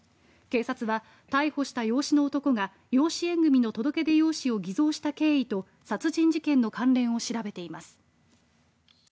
警察は逮捕した養子の男が養子縁組の届け出用紙を偽造した経緯と殺人事件の関連を調べています。